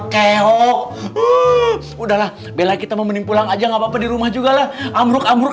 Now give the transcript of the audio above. leho udah lah bella kita mau menikmulkan aja nggak apa apa di rumah juga lah amruk amruk